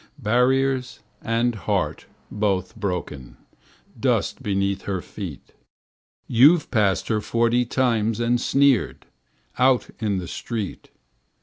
Barriers and heart both broken—dust Beneath her feet. You've passed her forty times and sneered Out in the street.